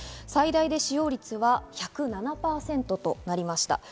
最大で使用率は１０７％となりました。